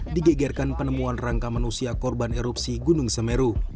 digegerkan penemuan rangka manusia korban erupsi gunung semeru